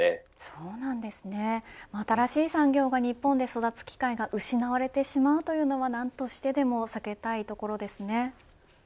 新しい産業が日本で育つ機会が失われてしまうというのはなんとしてでも避けたいところですね。